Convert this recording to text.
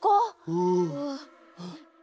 うん。